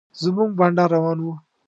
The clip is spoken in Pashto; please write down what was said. زموږ بنډار روان و.